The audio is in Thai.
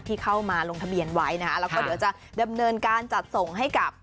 ที่เข้ามาลงทะเบียนไว้นะคะแล้วก็เดี๋ยวจะดำเนินการจัดส่งให้กับ